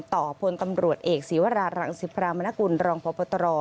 ต่อโพลตำรวจเอกศิวรารังศิษย์ภรรณกุลรองพต